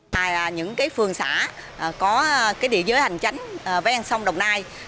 tại những phường xã có địa giới hành tránh ven sông đồng nai